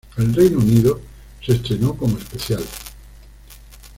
En Reino Unido se estrenó como especial.